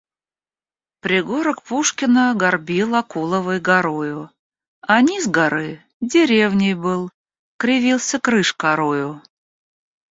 Пригорок Пушкино горбил Акуловой горою, а низ горы — деревней был, кривился крыш корою.